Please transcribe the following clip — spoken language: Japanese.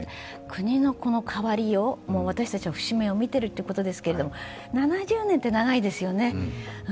国の変わりよう私たちは節目を見ているということでしょうけれども、７０年って長いですよね。